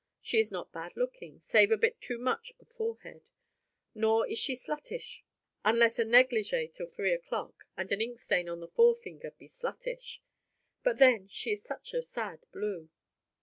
She is not bad looking, save a bit too much of forehead; nor is she sluttish, unless a negligé till three o'clock, and an ink stain on the forefinger be sluttish; but then she is such a sad blue!